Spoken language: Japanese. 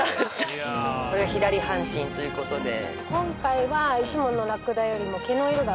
これは左半身ということでああ